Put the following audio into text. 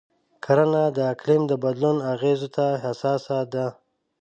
کرنه د اقلیم د بدلون اغېزو ته حساسه ده.